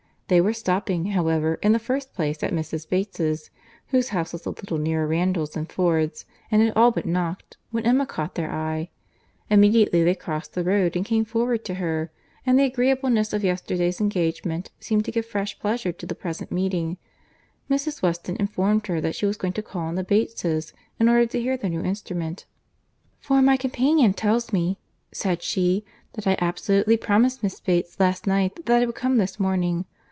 They were stopping, however, in the first place at Mrs. Bates's; whose house was a little nearer Randalls than Ford's; and had all but knocked, when Emma caught their eye.—Immediately they crossed the road and came forward to her; and the agreeableness of yesterday's engagement seemed to give fresh pleasure to the present meeting. Mrs. Weston informed her that she was going to call on the Bateses, in order to hear the new instrument. "For my companion tells me," said she, "that I absolutely promised Miss Bates last night, that I would come this morning.